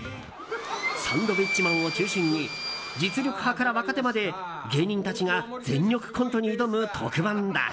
サンドウィッチマンを中心に実力派から若手まで芸人たちが全力コントに挑む特番だ。